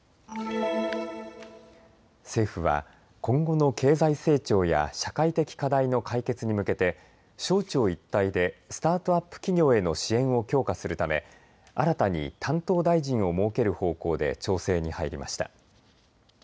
政府は今後の経済成長や社会的課題の解決に向けて省庁一体でスタートアップ企業への支援を強化するため新たに担当大臣を設ける方向で調整に入りました。